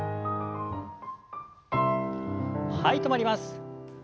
はい止まります。